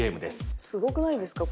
すごくないですか？